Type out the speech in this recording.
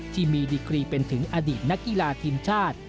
ที่มีดิกรีเป็นถึงอดีตนักกีฬาทีมชาติ